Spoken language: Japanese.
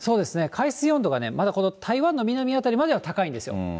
海水温度がね、まだこの台湾の南辺りまでは高いんですよ。